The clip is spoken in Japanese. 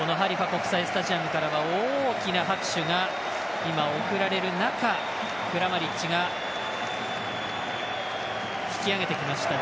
国際スタジアムからは大きな拍手が今、送られる中クラマリッチが引き揚げてきました。